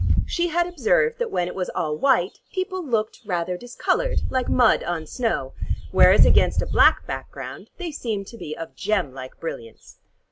She had observed that when it was all white, people looked rather discolored, like mud on snow, whereas against a black background they seemed to be of gem like brilliance.